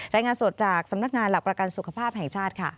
รายงานสดจากสำนักงานหลักประกันสุขภาพแห่งชาติค่ะ